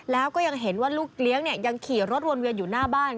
แล้วก็ยังเห็นว่าลูกเลี้ยงยังขี่รถวนเวียนอยู่หน้าบ้าน